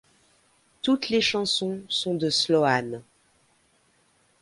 Toutes les chansons sont de Sloan.